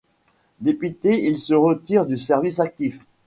Dépité il se retire du service actif.